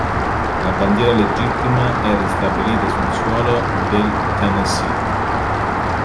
La bandiera legittima è ristabilita sul suolo del Tennessee.